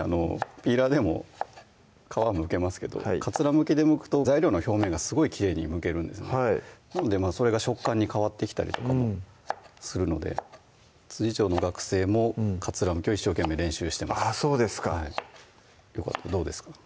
ピーラーでも皮むけますけどかつらむきでむくと材料の表面がすごいきれいにむけるんですそれが食感に変わってきたりとかもするので調の学生もかつらむきを一生懸命練習してますそうですかはいよかったらどうですか？